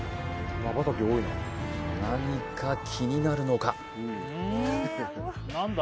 何か気になるのか？